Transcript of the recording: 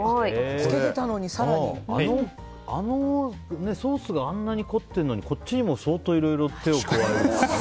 あのソースがあんなに凝ってるのにこっちにも相当いろいろ手を加えて。